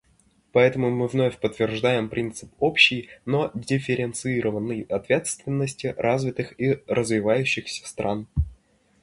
Поэтому мы вновь подтверждаем принцип общей, но дифференцированной ответственности развитых и развивающихся стран.